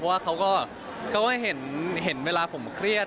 เพราะว่าเขาก็เห็นเวลาผมเครียด